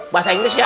bahasa inggris ya